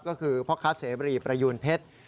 ก็คือพ่อค้าเสบรีประยูนเพชร